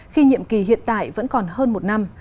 khi nhiệm kỳ hiện tại vẫn còn hơn một năm